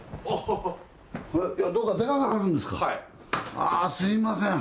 あすいません。